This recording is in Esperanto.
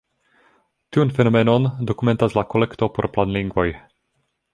Tiun fenomenon dokumentas la Kolekto por Planlingvoj.